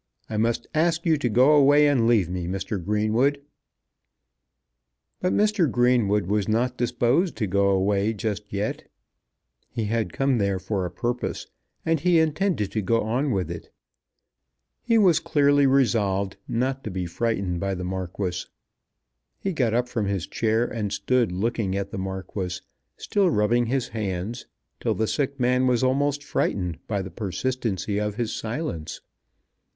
I must ask you to go away and leave me, Mr. Greenwood." But Mr. Greenwood was not disposed to go away just yet. He had come there for a purpose, and he intended to go on with it. He was clearly resolved not to be frightened by the Marquis. He got up from his chair and stood looking at the Marquis, still rubbing his hands, till the sick man was almost frightened by the persistency of his silence.